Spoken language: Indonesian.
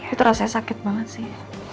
itu rasanya sakit banget sih